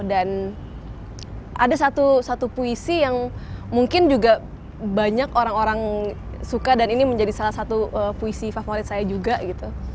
dan ada satu puisi yang mungkin juga banyak orang orang suka dan ini menjadi salah satu puisi favorit saya juga gitu